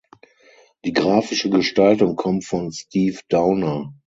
Die grafische Gestaltung kommt von Steve Downer.